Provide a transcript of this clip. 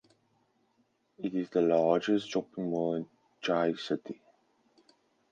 It is the largest shopping mall in Chiayi City.